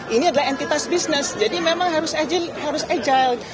ini adalah entitas bisnis jadi memang harus agile